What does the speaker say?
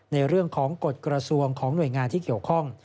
ในเรื่องของกฎกระทรวงของหน่วยงานที่เกี่ยวข้อง